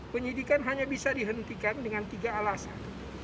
penyidikan hanya bisa dihentikan dengan tiga alasan